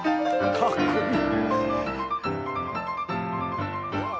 かっこいい。